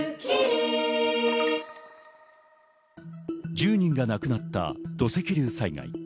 １０人が亡くなった土石流災害。